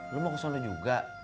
lu mau kesana juga